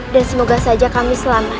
dan semoga saja kami selamat